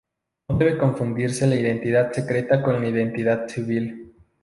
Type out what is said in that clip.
No debe confundirse la identidad secreta con la identidad civil.